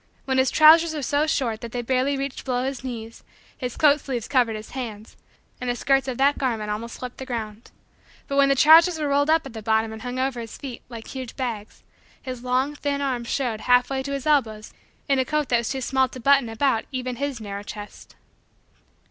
When his trousers were so short that they barely reached below his knees his coat sleeves covered his hands and the skirts of that garment almost swept the ground; but, when the trousers were rolled up at the bottom and hung over his feet like huge bags, his long, thin, arms showed, half way to his elbows, in a coat that was too small to button about even his narrow chest.